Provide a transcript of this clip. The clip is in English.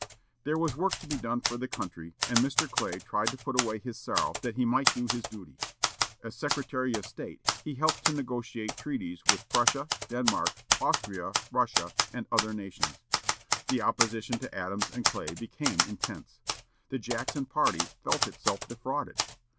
There was work to be done for the country, and Mr. Clay tried to put away his sorrow that he might do his duty. As Secretary of State he helped to negotiate treaties with Prussia, Denmark, Austria, Russia, and other nations. The opposition to Adams and Clay became intense. The Jackson party felt itself defrauded.